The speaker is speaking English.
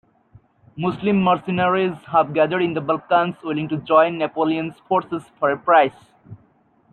Muslim mercenaries have gathered in the Balkans willing to join Napoleon's forces--for a price.